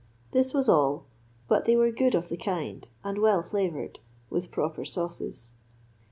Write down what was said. This was all; but they were good of the kind and well flavoured, with proper sauces.